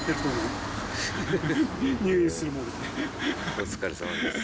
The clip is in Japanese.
お疲れさまでした。